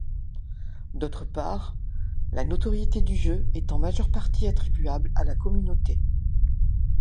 D'autre part, la notoriété du jeu est en majeure partie attribuable à la communauté.